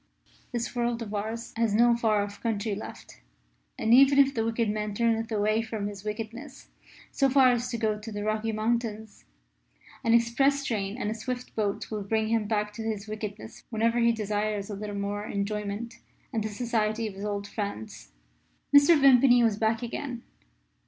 This world of ours has no far off country left, and, even if the wicked man turneth away from his wickedness so far as to go to the Rocky Mountains, an express train and a swift boat will bring him back to his wickedness whenever he desires a little more enjoyment and the society of his old friends. Mr. Vimpany was back again.